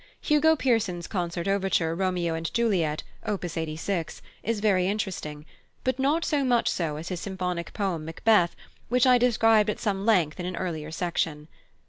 +Hugo Pierson's+ concert overture Romeo and Juliet, op. 86, is very interesting, but not so much so as his symphonic poem Macbeth, which I described at some length in an earlier section.